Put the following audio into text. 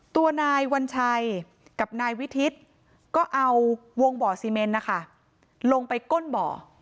ตัวนายวัญชัยกับนายวิทิศก็เอาวงบ่อซีเมนนะคะลงไปก้นบ่อ